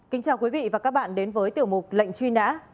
kính chào quý vị và các bạn đến với tiểu mục lệnh truy nã